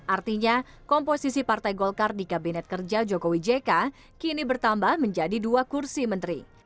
artinya komposisi partai golkar di kabinet kerja jokowi jk kini bertambah menjadi dua kursi menteri